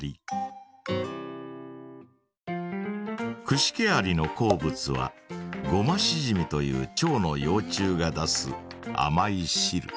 クシケアリの好物はゴマシジミというチョウの幼虫が出すあまいしる。